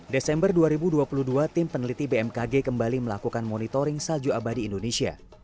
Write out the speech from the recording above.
desember dua ribu dua puluh dua tim peneliti bmkg kembali melakukan monitoring salju abadi indonesia